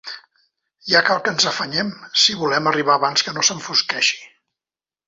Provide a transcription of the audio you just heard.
Ja cal que ens afanyem, si volem arribar abans que no s'enfosqueixi.